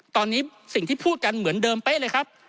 ตอนนี้สิ่งที่พูดกันเหมือนเดิมเป๊ะเลยครับ